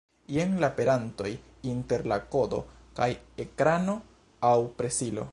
Jen la perantoj inter la kodo kaj ekrano aŭ presilo.